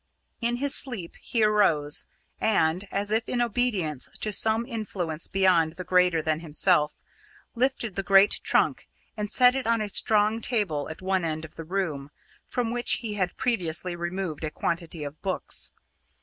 In his sleep he arose, and, as if in obedience to some influence beyond and greater than himself, lifted the great trunk and set it on a strong table at one side of the room, from which he had previously removed a quantity of books.